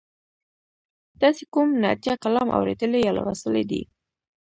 تاسې کوم نعتیه کلام اوریدلی یا لوستلی دی؟